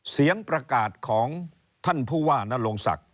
เสียงประกาศของท่านผู้ว่านโรงศักดิ